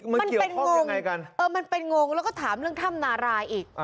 มันเป็นงงมันเป็นงงแล้วก็ถามเรื่องถ้ำนารายอีก